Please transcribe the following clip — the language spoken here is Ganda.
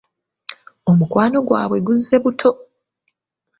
Omukwano gwabwe guzze buto.